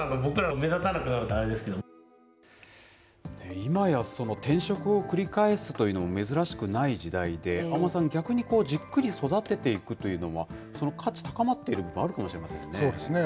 今や、転職を繰り返すというのも珍しくない時代で、安間さん、逆にじっくり育てていくというのは、その価値高まっているのもあそうですね。